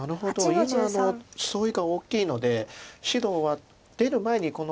今のソイが大きいので白は出る前にこの。